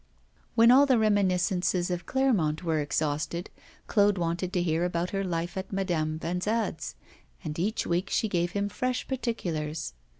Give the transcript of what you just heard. When all the reminiscences of Clermont were exhausted, Claude wanted to hear about her life at Madame Vanzade's, and each week she gave him fresh particulars.